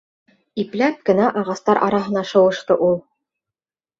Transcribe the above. Ипләп кенә ағастар араһына шыуышты ул.